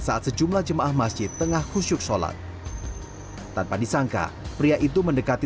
saat sejumlah jemaah masjid tengah kusyuk sholat tanpa disangka pria itu mendekati